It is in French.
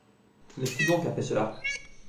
Mais qui donc a fait cela ?